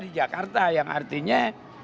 di jakarta yang artinya